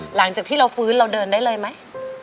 หลังจากที่เราฟื้นเราเดินได้เลยไหม